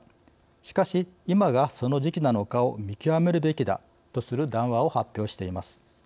しかし今が、その時期なのかを見極めるべきだ」とする談話を発表しています。